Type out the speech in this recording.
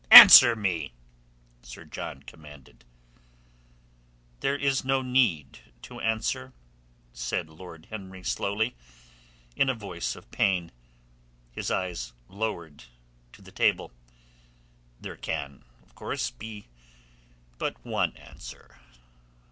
"Answer me!" Sir John commanded. "There is no need to answer," said Lord Henry slowly, in a voice of pain, his eyes lowered to the table. "There can, of course, be but one answer.